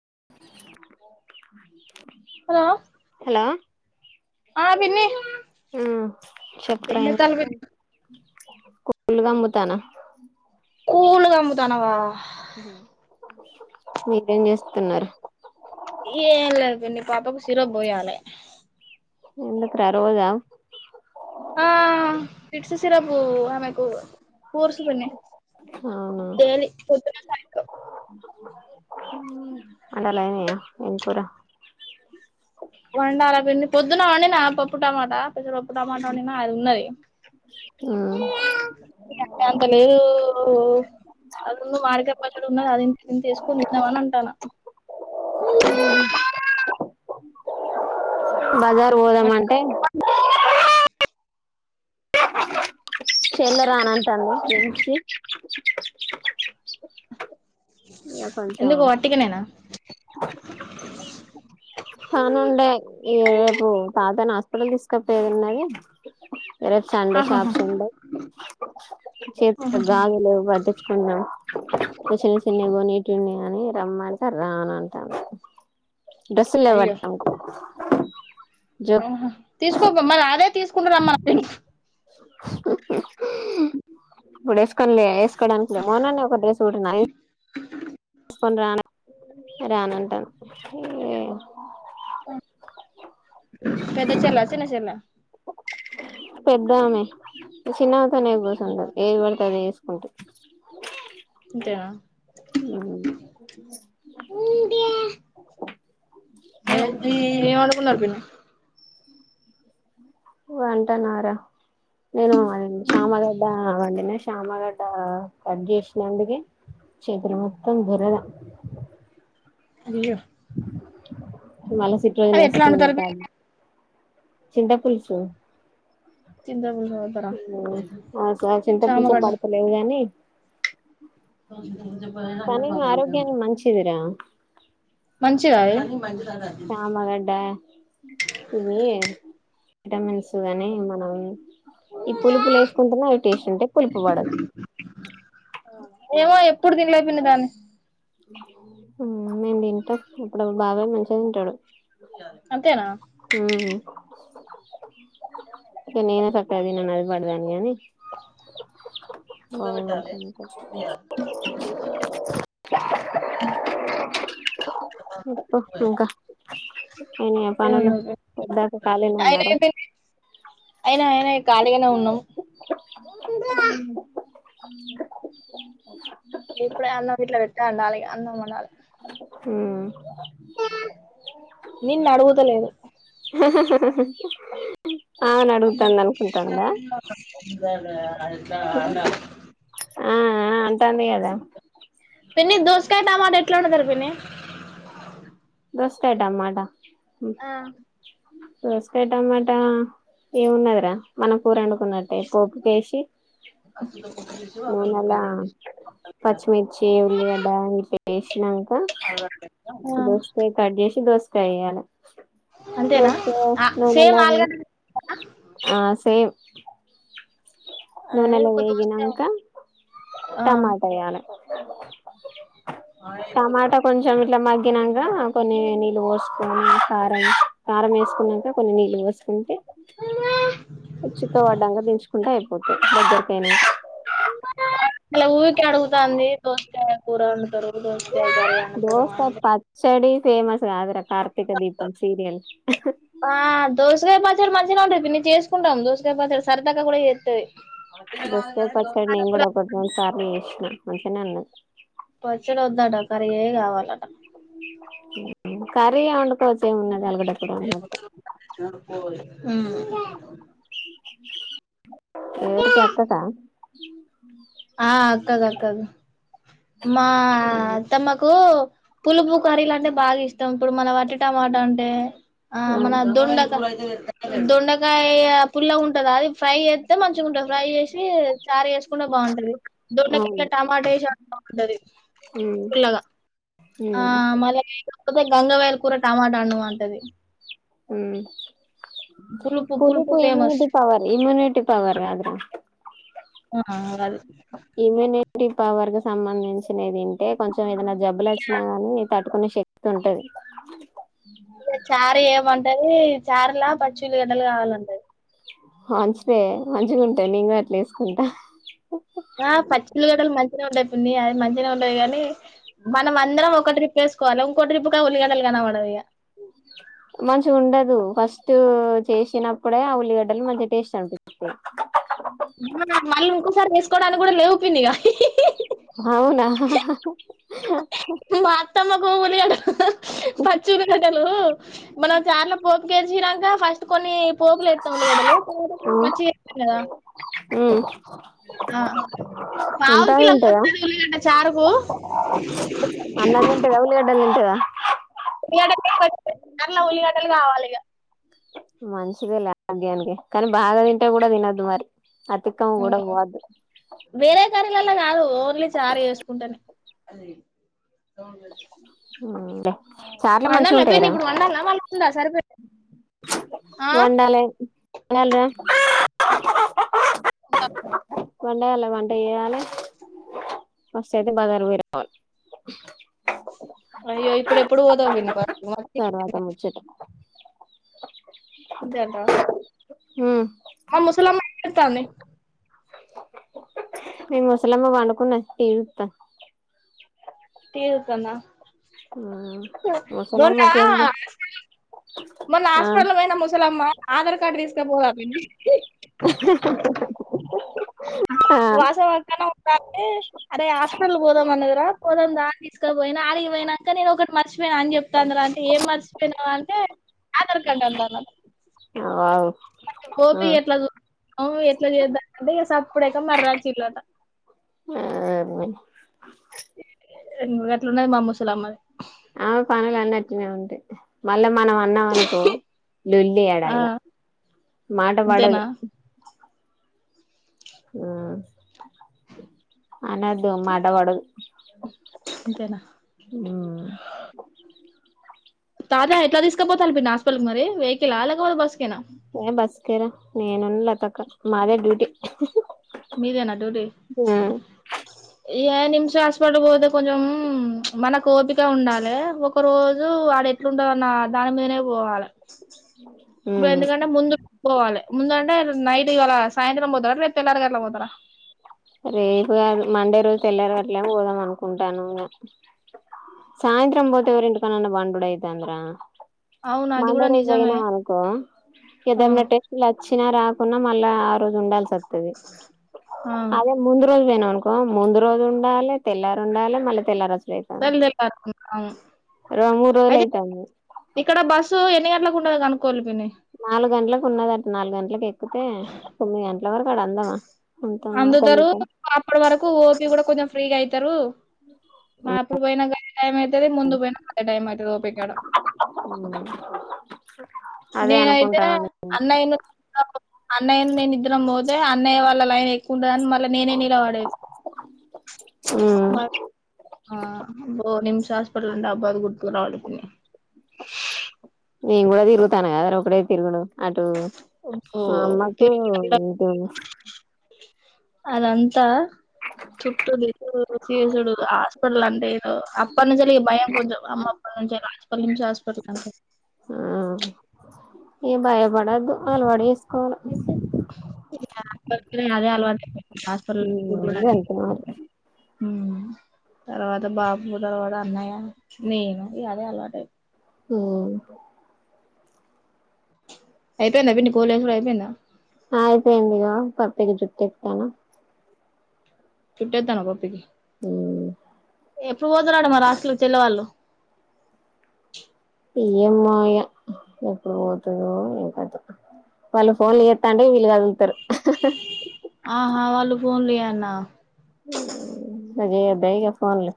[unintelligible] Hello hello ఆ పిన్ని ఆ చెప్పరా ఏం చేత్తాల్లు పిన్ని చేస్తున్నావ్ కోళ్లు కమ్ముతాన్న కోళ్లు కమ్ముతాన్నవా వే ఏ లేదు పీన్ని పాపాకు సిరప్ పోయాలే ఎందుకురా రోజా ఆ పిడ్స సిరబు ఆమెకు కోర్సు పిన్ని అవునా డైలీ పొద్దున సాయంత్రం వంటలయినయా ఏం కూర పొదున్న వండినా పప్పు టమాటా పెసరపప్పు టమాటా వండినా అది ఉన్నది ఉ వండే అంత లేదు ఆల్లు మాడికాయ్ పచ్చడ ఉన్నది అది ఇంత ఇది ఇంత వేసుకొని తిందాము అని అంటాన్న [unintelligible] బజార్ పోదాం అంటే చెల్లా రానన్ సామ్ క్లన్షకి ఎందుకు వట్టిగానేేనా పనుండే ఎపు పాత నాస్ ఇప్పుడే తీసుకపోయేదున్నది రేపు సండే ఆహాహా షాప్స్ ఉండయ్. చెప్కి గాజులు పట్టించుకున్నాం చిన్న చిన్నయ్ కొనేటివి ఉన్నాయ్. అని రమ్మంటే రాన్ అంటాంది. డ్రెస్సులు లేవంట అవకు హాహ్ తీసుకో పోమన్ అదే తీసుకో రమ్మన్ పేగింగ్. [unintelligible] ఇప్పుడు ఏసుకొన్లే ఏసుకోవడానికి లేమోన్నన్ ఒక డ్రెస్ గుడున్నాయ్ ఏస్కోన్ రానే రానటుంద్ ఈ ఏ పెద్ద చెల్లా చిన్న చెల్లా పెద్దమే చిన్నమే తో ఏ గోస కింద వుండద్. ఏది వడితే అద్ ఎస్ కుంటూ ఇంతేనా నహీ న్నది ఏవండుకున్నారు పిన్ని వంటనరా నేను అది శామగడ్డ వండినష్ చామగడ్డ కాడ్ జేషినందుగే చేతులు మొత్తం దురద అయ్యో మలసిట్రోజెన్ అది ఎట్లా వేసుకున్నా వండుతారు పిన్ని టాబ్లీ చింత పులుసు తిన్న ఊ హోహో ఆ సార్ చింతపులుసే చామగడ్డ పడ్తలేదు కానీ కాని ఆరోగ్యనికి మంచిదీరా. మంచిదా ఎగా చమగడ్డ ఇది విటమిన్స్ గాని మనం ఈ పులుపులు లేకుంటనే అవి టేస్ట్ ఉంటే పులుపు పడదు. [inaudible] ఏవో ఎప్పుడు తినలే పిన్ని దాన్ని హు నీన్ తింటా ఇప్పుడు బాబాయ్ మంచిగా తింటాడు. అంతేనా నీనే సక్కగా తిన్నను అది పడదాని గానీ ముద్ధ పేట్టాలే పొట్టు దియల్ పెట్టు దీసి ఏ చెప్పు ఇంకా అయినాయ పనులు పొద్ద దాకా ఖాళీనే ఉన్నారా. అయినాయ్ అయినాయ్ ఖాళీగానే ఉన్నాం. [inaudible] ఇప్పుడే అన్నం గిట్ల పెట్ట అండాలి. ఇగ అన్నం వండాలె హుహ్ నిన్ను అడగుతలేదు. [inaudible] అడుగుతుంది అనుకుంటాందా [unintelligible] ఆ ఆ అంటాంది కదా పిన్ని దోసకాయ టమాట ఎట్లా వండుతారు పిన్ని దోసకాయ్ టమాటా ఉమ్ ఆ దోసకాయ్ టమాటా ఏమున్నద్రా మన కూరండు ఉన్నట్టే కోకు కేసి నూనలా, పచ్చిమిర్చి, ఉల్లిగడ్డ, అన్నీ వేషినాం ఇంకా ఆ దోసకాయ్ కట్ చేసి దోసకాయ్ ఎయ్యాలా అంతేనా దోసకే ఆ సేమ్ నూనెల్లా అది ఆలుగడ్డ ఆ సేమ్ కీయ్వువ్ అదే నూనెలో ఒక దోసకాయ వేగినంక ఆ టమాటా ఏయ్యాలే టమాటా కొంచెం ఇట్లా మగ్గినంక్ కా కొన్ని నీళ్ళు పోసుకొని కారం కారం వేసుకొనుంటే కొన్ని నీళ్ళు పోసుకుంటే చిక్కపడ్డంగ్గ దించుకుంటే అయిపొద్ది ఒక్కరికైన ఇలా ఊరికె అడుగుతాంది దోసకాయ కూర వండుతరు అంటరు దోసకాయ్ అంటారు దోసకాయ అంటే పచ్చడి ఫేమస్ కాదురా కార్తీక దీపం సీరియల్ ఆ దోస కాయ ప పచ్చడి మంచిగానే ఉంటది పిన్ని చేసుకుంటాం దోసకాయ పచ్చడి సరదాగా కూడా చేత్తది. దోసకాయ పచ్చాడి నేను కూడా ఒకటి రెండు సార్లు చేసినా మంచిగనే ఉన్నది. పచ్చడి వద్ధంట కర్రీ ఏ కావాలట ఉమ్ కర్రీ ఏ వండుకోవచ్చ ఏమున్నది అలగడ్డ కూర వండినట్టే ఉమ్ ఎవరుకి అక్కకా ఆ అక్కది అక్కది మా అవును అత్తమ్మకూ పులుపు కర్రీలు అంటే బాగా ఇష్టం ఇప్పుడు మన వట్టి టమాట అంటే ఆ మన దొండ దొండకాయ పుల్లగా ఉంటదాయి ఫ్రై చేత్తే మంచిగా ఉంటది. ఫ్రై చేసి చారు చేేసుకుంటే బాగుంటది దొండకాయ్ ఉమ్ ఇంకా టమాటా వేసి వండుకోమంటది. ఉమ్ పుల్లగా ఆ మల్లా ఈ [unintelligible] గంగ వయ్యాల్ కూర టమాటా వండు అంటది పులుపు పులుపు కులుపు famous immunity power immunity power అది ఆ అదే పవర్కూ సంబంధించినవి దింటే కొంచెం ఏదైనా జబ్బలు వచ్చినా గానీ తట్టుకునే శక్తి ఉంటది అంటది చార్లా పచ్చి ఉల్లి గడ్డలు కావాలంటది మంచిదే మంచిగా ఉంటది నేను కూడ అట్లా వేసుకుంటా ఆ పచ్చి ఉల్లి గడ్డలు మంచిగా ఉంటయ్, పిన్ని అవి మంచిగా ఉంటయ్ గాని, మనం అందరం ఒక ట్రిప్ కొవాలా ఇంకోట్రిప్ప్గా ఉల్లి గడ్డలు కనపడవిగా ఉమ్మ్ మంచిగా ఉండదు ఫస్ట్ చేసినప్పుడే ఆ ఉల్లిగడ్డలు మంచి టేస్ట్ అనిపిత్తది. ఆ మళ్ళీ ఇంకోసారి వేసుకోవడానికి కూడా లేెవు పిన్ని ఇగా హా హా హా హి హం మా అత్తమ్మకు ఉల్లిగడ్డలు పచ్చి ఉల్లి గడ్డలు మనం చార్లో పోపు కేసినాంక ఫస్ కొన్ని పోగులు ఎత్తం ఉల్లిగడ్డలు తర్వాత ఉమ్ పచ్చివేత్తాం కదా ఉమ్ ఆ పావు అంతా కిలో తింటదా పచ్చి మిరపయాలు అంట చారుకు ఈ చికెన్ వండినం ఎంతరా ఉల్లిగడ్డలు కోయ్ ఫస్ట్ అరలా ఉల్లిగడ్డలు కావాలి ఇగా మంచిదే లే ఆరోగ్యానికి కానీ బాగా తింటే కూడా తినొద్దు మరి అతికము కూడా వాద్దు అందరిల్లాల కాదు ఓన్లీ చారు ఏసుకుంటేనే చార్లు మంచిగా వండాల పిన్నీ ఉంటాయిరా ఇప్పుడు వండాల మళ్ళిమ్ద సరిపెట్టు వండాలే వండాలిరా వుంటపు వండగలవా అంటే ఏయాలి ఫస్ట్ అయితే బజార్ పోయి రావాలి అయ్యో ఇప్పుడు ఎప్పుడు పోదావు వినబ తర్వాత ముచ్చట జత ఉ మా ముసలమ్మ ఏం చేస్తాంది? మీ ముసలమ్మ పండుకున్నది, టీవీ చూస్తుంది. టీవీ చూస్తుందా ఉమ్ అ మొన్న ముసలమ్మకేంది మొన్న ఆ హాస్పిటల్ పోయిన ముసలమ్మా ఆధార్ కార్డు తీసుక పోదా పిన్ని అహ్హ్హ్హ్ వాసవి అక్క అన్న ఉందా అంటే అరే హాస్పిటల్ పోదాం అన్నది రా పోదాం దా అని తీసుకపోయినా ఆడిగి పోయినాక నేను ఒకటి మర్చిపోయన అని చెప్తాంది రా అంటే ఏం మర్చపోయనావ్ అంటే ఆధార్ కార్డు అంటన్నది అవావ్ అ అవు ఎట్లా చేస్తానంటే సప్పుడ ఎకా మరచిల్లట హబ్బీ రెన్ గట్ల ఉన్నది మా ముసలమ్మది ఆమె పనలు అన్ని అట్టనే ఉంటాయ్ మ అళ మనం అన్నాం అనుకో లొల్లి ఆడ ఆ ఇగా మాట అంతేనా పడదు ఉ అనదు మాట పడదు అంతేనా ఉమ్ తాత ఎట్లా తీసుకపోతాలి పిన్ని హాస్పిటల్ కి మరి వెహికకిల్ లేకపోతే బస్సు ఏ బస్కేరా నేను లతక్క మాదే డ్యూటీ హ్ హిహి నీదేనా డ్యూటీ యానిమ్ శాశ్ హాస్పిటల్ పోతే కొంచెం చ్ మనకి ఓపిక ఉండాలె ఒక రోజు వాడ ఎట్లుంటున్నాడో ఆ దాని మీదనే పోవాలె ఇప్పు ఎందుకంటే ముందుకు పోవాలె ముందుం టే నైట్కి ఇవాళ సాయంత్రం పోతారా రేపు తెలారు గట్లా పోతారా? రేపుగాదు మండే రోజు తెల్లారు గట్లే పోదాం అనుకుంటాను ఇంగ సాయంత్రం పోతే ఎవరి ఇంటికాడ నేను పండుడైతుంది రా అవును అది మండే కూడా రోజు నిజమే పోయినావ్ అనుకో ఏదం అవును టెస్ట్లాచ్చి వచ్చినా రాకున్నా మళ్ళా ఆ రోజు ఉండాల్సి వస్తది ఆ అదే ముందు రోజు పోయినావ్ అనుకో ముందు రోజు ఉండాలె, తెల్లారు ఉండాలె మళ్ళీ తెల్లరజు తెల్లారి అవును రో మూడు రోజులు అయితే అయితాంది ఇక్కడ బస్సు ఎన్ని గంటలకు ఉంటదో కనుక్కొవాలి పిన్ని నాలుగు గంటలకు ఉన్నదంట నాలుగు గంటలకు ఎక్కితే తొమ్మిది గంటలకు అందుతారు తొమ్మిది అప్పటి వరకు ఓపి కూడా కొంచెం ఫ్రీగా అయితారు మరి అప్పుడు పోయినా ఇదే టైం అయితది ముందు పోయిన అదే టైం అయితది ఓపి కాడ [inaudible] అదే నేనైతే అనుకుంటాను అన్నయ్యను అన్నయ్య నేను ఇద్దరం పోతే అన్నయ వాళ్ళలైన్ ఎక్కువ ఉంటదని నేనే నిలబడేది ఉమ్ ఓ నిమిషం హాస్పిటల్లో ఉంటే అబ్బాయిలు గుర్తుకురావాలి పిన్ని నేను కూడా తిరుగుతాను కదర ఒకడే తిరుగుడు అటు అబ్బో మా అమ్మకు తిరిగి తోని అదంతా చుట్టూ తిరుగుడు చేసుడు హాస్పిటల్ అంటే అప్పటి నుంచే భయం కొంచెం అమ్మ హాస్పిటల్ నుంచి ఆ ఏం భయపడద్దు అలవాటు చేసుకోవాల అదే అలవాటు అయిపోయింది హాస్పిటల్లో ఉమ్ అంతే మరి తర్వాత బాబుగుడా అన్నాయా నేను ఇగ అదే అలవాటు అయిపోయింది ఉ అయిపోయిందా పిన్ని కోల్ ఎసుడు అయిపోయిందా ఆ అయిపోయింది ఇగా కరెక్ట్ గా చుట్టుపెట్టాను చుట్టే తిన్న పప్పీకి హ ఎప్పుడు పోతారట హాస్టల్ కి చెల్లి వాళ్ళు ఎమ్మో ఇగ ఎప్పుడు పోతుందో ఏం కథో వాళ్ళు ఫోన్లు చేస్తా అంటే వీళ్ళు కదులుతారు ఆహా వాళ్ళు ఫోన్లు చేయాల్నా చెయ్యొద్దా ఇగ ఫోన్లో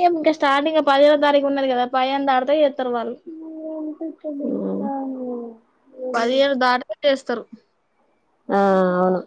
ఏ ఇంకా స్టార్టింగ్ పదిహెనో తారీఖ ఉన్నారు కదా అధిహైను దాటిదే చేస్తారు [unintelligible] పదిహేను దాటతే చేస్తారు ఆ అవును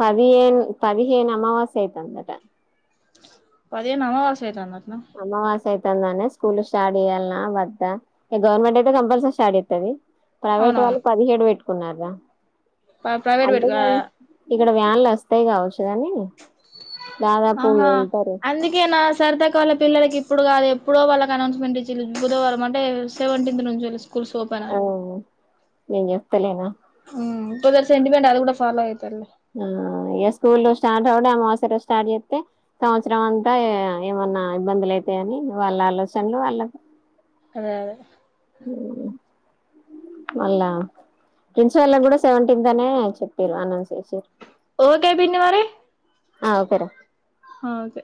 పదిహేను పదిహేను అమావాస్య ఐతాందట పదిహేను అమావాస్య అయితాందా అమ్మవాస్ అయితోందని స్కూల్లో స్టార్ట్ చేయాలనా వద్దా ఈ గవర్నమెంట్ అయితే కంపల్సరీ స్టార్ట్ చేస్తది ప్రైవేట్ వాళ్ళు పదిహేడు పెట్టుకున్నారు రా ప్రవేట్ పెట్టుకో ఇక్కడ వ్యాన్లు వస్తాయి కావచ్చు కాని దాదాపు ఆహా వెళ్తారు అందుకేనా సరిత అక్క వాళ్ళ పిల్లలకి ఇప్పుడు కాదు ఎప్పుడో వాళ్ళకి అనౌన్స్మెంట్ ఇచ్చారు బుధవారం అంటే సెవెంటీన్త్ నుంచి అని స్కూల్స్ ఓపెన్ ఆ అని నేను చెప్తలేనా కొందరు సెంటిమెంట్ అది కూడా ఫాలో అయితరులే స్కూల్ స్టార్ట్ అవుడే అమావాస్య కి స్టార్ట్ జేతే సంవత్సరం అంతా ఇగ నా ఇబ్బందులు అయితాయని వాళ్ళ ఆలోచనలు వాళ్ళకు. అదే అదే ఊ మళ్ళా ప్రిన్స్ వాళ్ళకు గూడా సెవెంటీన్త్ అనే చెప్పిర్రు అనౌన్స్ చేసిరు ఓకే పిన్ని మరి ఆ ఓకే రా ఆ ఓకే